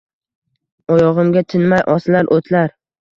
Oyog‘imga tinmay osilar o‘tlar